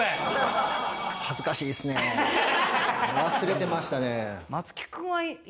忘れてましたね。